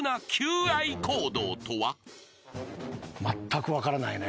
まったく分からないね。